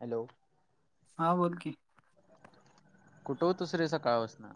Hello. हां बोल की. कुठ होतुसरे सकाळ पासण.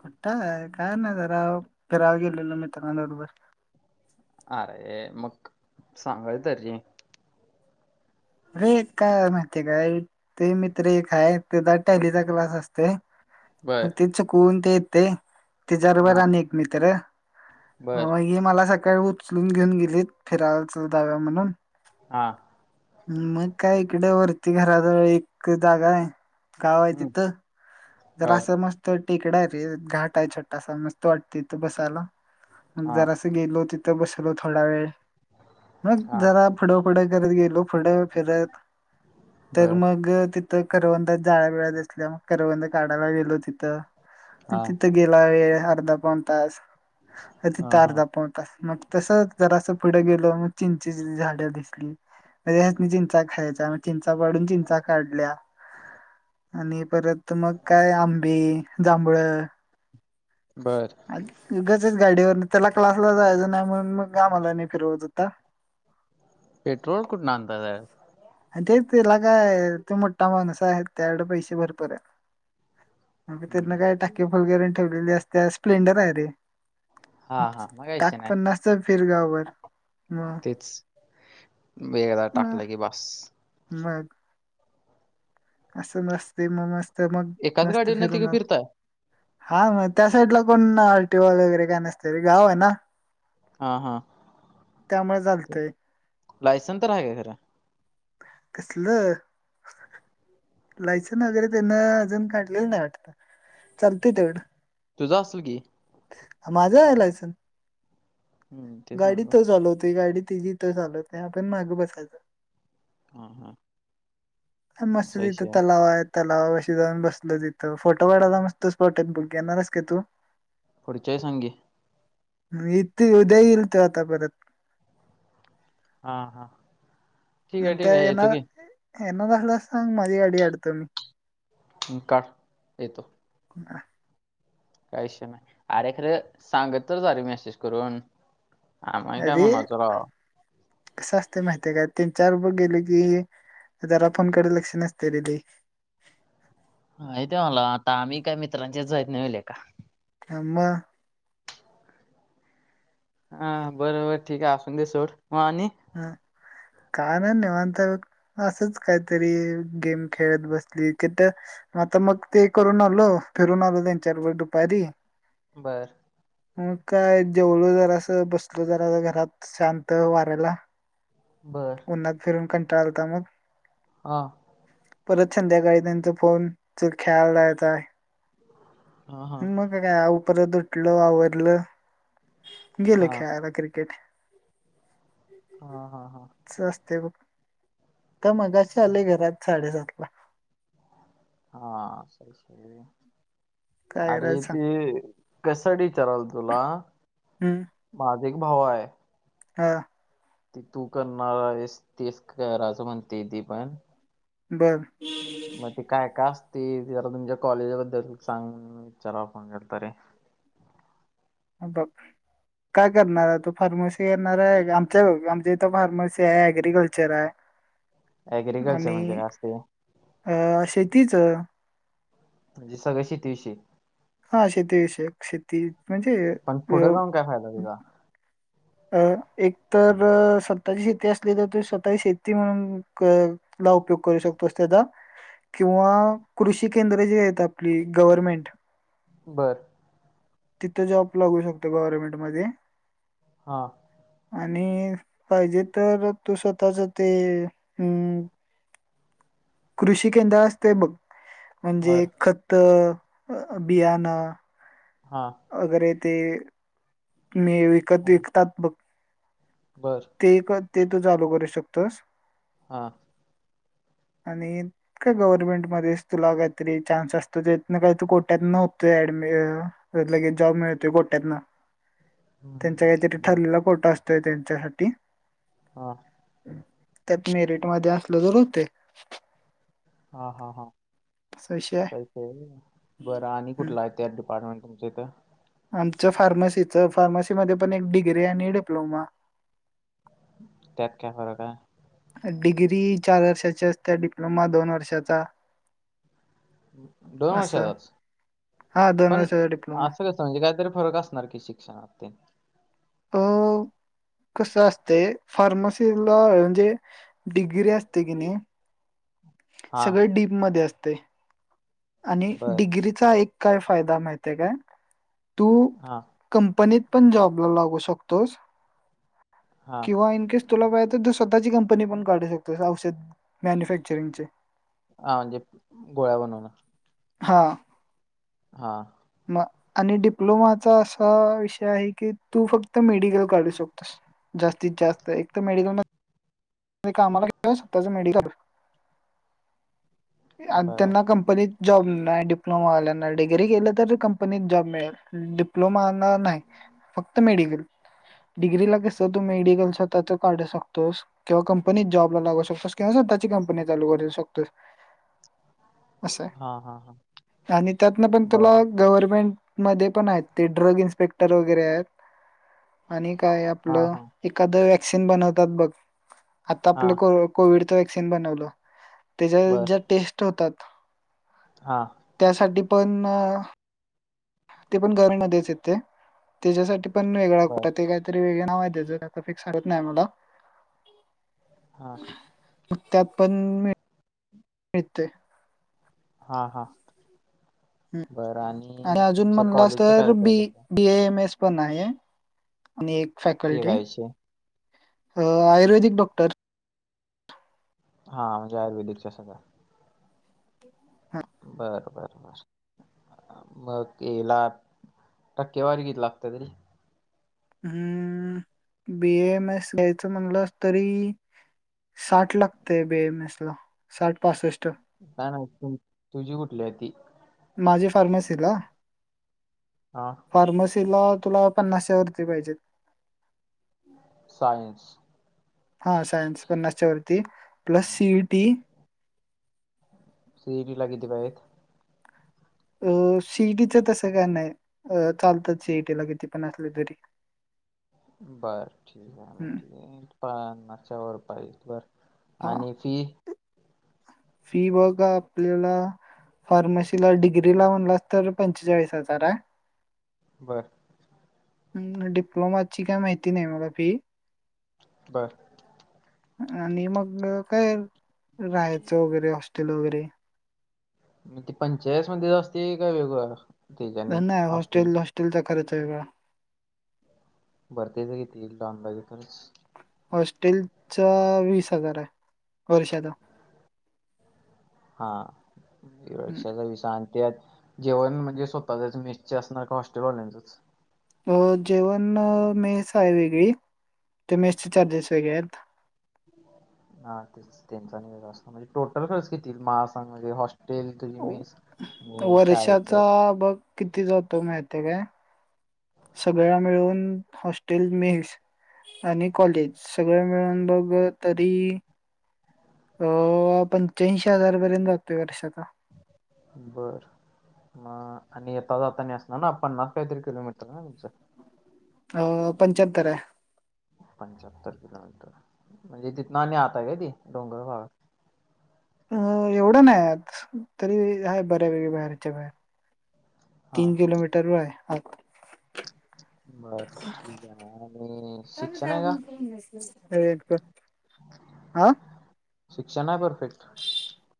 कुठा आहे काय नाही जरा फिराव गेलेलो मित्रांन बरोबर. अरे मग सांगाय तरी. अरे काय माहितीय काय ते मित्र एक आहे ते द टालीचा क्लास असते. बर अग ते चकूनते येत ते. त्याचा वर हा बरा न एक मित्र. बर हे मला सकाळी उचलून घेऊन गेलेत फिरायचा दाव्या म्हणून हा. मग काय इकडे वरती घराात एक जागा आहे गाव आहे हम्म तिथं जरा बर असं मस्त टेकडा आहे रे घाट आहे छोटासा मस्त वाटत त बसायला. मग हा जरास गेलो तिथं बसलो थोडा वेळ मग हा जरा फडाफडं करत गेलो फढं फिरत तर बर मग ति करवंदात जाळ्या बिळ्या दिसल्या मग करवंद काढाय गेलो ती हा तिथं गेला वेळ अर्धा पऊन तास. अ हा तिथे हा अर्धा पाऊण तास म तसं जरा असं पुढे गेल मग चिंचेची झाड दिसली म्हणजे ह्यात चिंचा खायचा. चिंचा पाडून चिंचा काढल्या आणि परत मग अंबी जांभळं बरं. गचच गाडीवर त्यांला क्लांसला जायचं नाहीं म्हणून मंग गमांला नाहीं फिरवत होतां. पेट्रोल कोठंण आणतांत यार. आणि तेचं त्यांला कायं तो मोठां माणूंस आहे त्यांच्या कडे पैसे भरंपूर आहेत. अगं त्यांनां हम्म कायं टाके फुलगैरे ठेवलेली असतें स्प्लेंडर आहे रे. हा हा मग काय विषय टांक नाही पणांसच फिरगांव भर मंग वेगळा टाकलं की बां मंग. असनसते म मस एकांच गाडीवरन तिघं फिरता. हा मंग त्यां साईड लां पणं रिती रिवाज वगैरे कायं नसतं रिती रिवाज ते गावं आहे नां. हा हा त्यामुळे चालतंय लायसन्स तरं आहे कां जरा कसलं? लायसन्स वगैरे त्यांनां अजून काढलें नाहीं वाटतं चालतं तेवढं. तुझं असलं की. माझ आहे लायसन्स. हम्म तेच म्हणलो गाडीथ चालवते गाडी त जीथं चालवते आपण माग बसायचं. हा हा. मस्त असा तिथ विषय आहे तलाव आहेत. त्यालावाशी जाऊं न बसल तिथं फोटो वाढाला मतं स्पोर्ट आहे तिथं बुक येणारं आहे का तू. पुढच्यां वेळेस सांगकी इथे उद्यां येईल तो आता परंत हा हा. ठीक आहे ठीक त्या आहे येना येतो की येना असल्या सांग माझी गाडी काढतो मी. तु काढ येतो. ह काहीशी नाहीं अरे खरं सांगत तरं अरे मेसेज करूंन आम्हाले कायं अरे मामाच गांव कसं असते माहिती की त्यांच्या बरोबर गेले की जरा पणं कडे लक्ष नसते तिथे माहीत आहे मलां आता आम्हीं कायं मित्रांच्याच जाहीत नाहीेवले कां आ मंग हा बरोबर ठीक आहे असून दे सोड म आणि हम कांय नाही निवांत असंच कांहीतरी गेम खेळत बसली तीथ आता मंग ते करूंन आलों फिरून आलों त्यांच्या बरोबर दुपारी बरं मंग कायं जेवलो जरासं बसलो जरा घरांत शांत वाऱायला बरं उन्हनांत फिरून कंटाळा आलता मंग हां परंत संध्याकाळी त्यांच्या फोन च ख्याला येता आहे हा हा मंग कायं उपरतं उठलो आवरलं गेलो हा खेळायंला क्रिकेट हा हा हा असं असतें बघ तरं मगांशी आलों घरांत साडेसात हा असं असते काय अरे करायचं सांग ते कशासाठी विचारतो तुला हम्मं माझा एक भाव आहे हा ते तू करणारं आहेस तेस ती करायजं म्हणते ती पणं बर मग ते काय काय असततील जरा तुमच्या कॉलेजाबद्दल सांग विचारा आपण बरत रे हे बाघ काय करणार आहे तो फार्मसी करणार आहे आमच्या आमच्या इथं फार्मसी आहे अग्रिकल्चर आहे [inaudible] ऍग्रिकल्चर म्हणजे आणि काय असते अ शेतीच म्हणजे सगळंशी शेती विषई हा शेती विषयक शेती म्हणजे पण पुोढं जाऊन काय फायदा अ, तिचा अ एक तर स्वतःची शेती असली तर तु स्वतःची शेती म्हणून कर आपला उपयोग करू शकतोस त्याचा किंवा कृषी केंद्र जी आहेतेत आपली गवर्नमेंट बरं तिथं जॉब लागू शकतो गव्हर्नमेंट मध्ये हा आणि पाहिजे तरं तू स्वतःचं ते अम कृषी केंद्र असतें बघ म्हणजे बर खंत बियाणं हा अगरे ते मी विकत विकतात बघ बरं ते एक ते तू चालू करू शकतोस हा आणि काय गव्हर्नमेंट मध्येस तुला काहीतरी चान्स असतो त्यान काही तू कोट्यात नव्हतो ऍडमि अ त्यात लगेच जॉब मिळतो कोट्यात ना [inaudible] त्यांच्या हम्म. काहीतरी बर ठरलेला कोटा असतोय त्यांच्यासाठी हा त्यात मीरीट मध्ये असल तर होतय. हा हा हा असा विषय आहे काय खरं नाय म बरं आणि हम्म. कुठला आहे त्यात डिपार्टमेंट तुमचं इथं आमचं फार्मसीच फार्मसीमध्ये पण एक डिग्री आणि डिप्लोमा. त्यात काय फरक आहे. डिग्री चार वर्षाची असतेया डिप्लोमा दोन वर्षाचा दोन असं वर्षाचाच हा दोन पण वर्षाचा डिप्लोमा आज तेचं म्हणजे काहीतरी फरक असणार की शिक्षणात ते अ कस असतय फार्मसीला म्हणजे डिग्री असते किनी हा सगळे डीपमध्ये असतय. आणि बर डिग्रीचा एक काय फायदा माहितीय काय तू हां कंपनीत पण जॉबला लागू शकतोस. हा किंवा इन केेस तुला पाहिजे तर तू स्वतःची कंपनी पण काढू शकतोसं औषध मॅन्युफॅक्चरिंग चे. हा म्हणजे गोळ्या बनवन. हा हा मग आणि डिप्लोमाचा असा विषय आहे की तू फक्त मेडिकल काढू शकतोस. जास्तीत जास्त एकत मेडिकल म मी कामाला गेलो स्वतःच मेडिकल [unintelligible] आणि बर त्यांना कंप पणीत जॉब नाय डीप्लोमा वाल्याना डिग्री केलं तर कंपनीत जॉब मिळेल. डीप - डिप्लोमाना नाय फक्त मेडिकल डिग्री ला कस तू मेडिकल स्वतःच काढू शकतोस. किंवा कंपनीत जॉब लागू शकतोस. किंवा स्वःची कंपनी चालू करू शकतोस. अस हा हा हा आहे आणि त्यातन पण बर तुला गव्हर्नमेंट मध्ये पण आहेत ते ड्रग इन्स्पेक्टर वगैरे आहेत. आणि काय हा आपलं हा एखादं वॅक्सिन बनवतात बघ आता हा आपलं को कोविडच वॅक्सिन बनवलं त्याच्या बर ज्या टेस्ट होतात. हा त्यासाठी पण ते पण गवरमध्येच येते त्याच्यासाठी पण वेगळा बर कुठ ते काय कायतरी वेगळे नाव आहे त्या आता फिक्स [unintelligible] नाय मला हा म त्यात पण मिळ हाईत ते. हा हा बरं आणि अजून तुमच म्हणलास कॉलेजचं काय तर होतय बी त्याचं बी ए एम एस पण आहे आणि एक एक फॅकल्टी ऐंशी अ आयुर्वेदिक डॉक्टर हा म्हणजे आयुर्वेदिकच सगळ हा बरं बर बर मग यला टक्केवारी कीती लागते तरी हम्म बी एम एस यायचं म्हणलंस तरी साठ लागतेय बे ए एम एस ला साठ पासष्ट का नावं पण तुझी कुठली आहे ती माझी फार्मसी ला हा फार्मसीला तुला पन्नासशे वरती पाहिजे सयंस हा सायन्स पन्नासच्या वरती प्लस सीई टी सीी लागीथ एकथ अ सिईटीच तसं काय नाही अ चालतात सिईटीला किती पण असले तरी बर ठीक आहे हम्म. म्हणजे पच्यावरर पाहि बर हा आणि फी फी बघा आपल्याला फार्मसीला डिग्री लावनलास तर पंचेचाळीस हजार आहे बरं डिप्लोमाची काय माहिती नाही मला फी बर आणि मग काय राहायचं वगैरे हॉस्टेल वगैरे म ते पंचायत मध्ये असते का वेगळळा नाही हॉस्टेल हॉस्टेलचा खरच वेगळा भरतेच घेतील लॉन लाजे तरच हॉस्टेलचा वीस हजार आहे वर्षाचा हा हम्म. वर्षाचा विसा त्यात जेवण म्हणजे स्वतःच आहे मेसटचे असणार का हॉस्टेलवाल्यांच अ जेवण मेस आहे वेगळी ते मेसचे चार्जेस वेगळे आहेत हा त्यांचा व्यस्थ म्हणजे टोटल खर्च घेतील म सांग म्हणजे हॉस् तेल क्रिमीिक शाळेचं ह बघ किती जातो मात काय सगळ मिळून हॉस्टेल मिस आणि कॉलेज सगळ मिळून बघ तरी अ पंच्याऐंशी हजार पर्यंत जातोय वर्षाचा बर म आणि येता जाता असणार ना पन् काहीतरी किलोमीटर ना तुमचं अ पंच्याहत्तर पंच्याहत्तर किलोमीटर म्हणजे तिथनं आणि आताय काय ती डोंगर भााग अ एवढं नाही आ तरी आहे बऱ्या वेगळ्या बाहेरच्या बाहेर हा तीन हा किलोमीटर व आहे आत बर ठीक आहे आणि शिक्षण आहे का अ हा शिक्षणा आहे परफेक्ट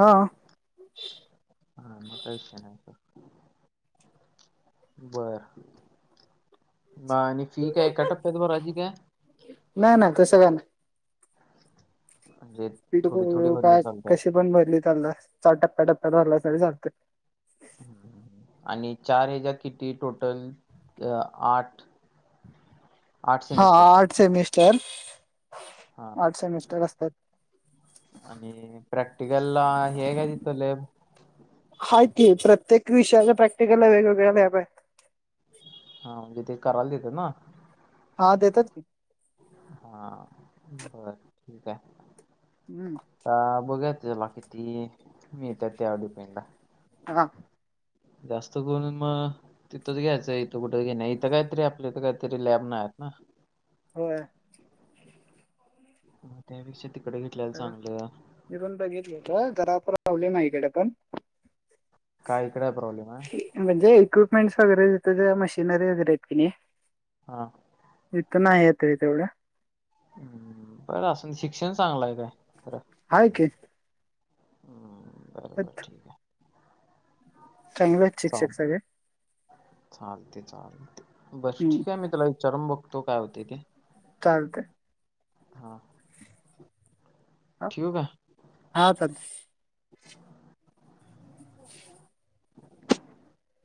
हा म का विष नाही बर बा आणि फी काय कटपप्यात ब राजजी काय नाही ना तसं का नाही जे पिक काय कशी पण भरली त्याला च टप्प्या टप्प्यात भरला स चालत आणि चार हच्या किती टोटल आठ [unintelligible] हा सेमिस्टर आठ सेमिस्टर हा आठ सेमिस्टर असतात आणि प्रॅक्टिकल हे काय दिथले हयतीे प्रत्यक विषया प्रॅक्टिकल वेगवेगळा ल्या आहे हा म्हणजे ते करायला देते ना हा देतात की हा बर ठीक आहे हम्म. अ बघा त त्याला कि हं. जास्त करून मग तिथंच घ्यायचंय इथं कुठे घे नाही इथं काहीतरी आपल्या इथ काहीतरी लॅब नाहीत ना. होय. मग त्यापेक्षा तिकडे घेतल्याला चांगलं. मी पण बघितलं होत जरा प्रॉब्लेम आहे इकडं पण. काय इकड प्रॉब्लेम आहे? म्हणजे इक्विपमेंट्स वगैरे देतो मशनरी वगैरे आहेत कणी हा. इथ नाही येत तेवढं. हम्म बरं असन शिक्षण चांगलं आहे काय? खरं हाय की. हम्म बरोबर तथ. ठीक आहे चांगल हाय. चाल चालते चालते बर हम्म ठीक आहे मी त्याला विचारुन बगतो. तो काय होतय ते. चालतंय. हा ठिव का? हा चालतय. [unintelligible]